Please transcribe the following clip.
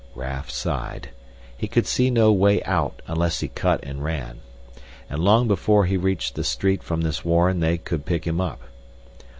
Raf sighed. He could see no way out unless he cut and ran. And long before he reached the street from this warren they could pick him up.